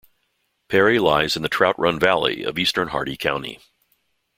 Perry lies in the Trout Run Valley of eastern Hardy County.